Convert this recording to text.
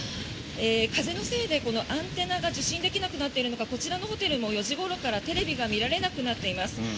風のせいでアンテナが受信できなくなっているのかこちらのホテルも４時ごろからテレビが見られなくなっています。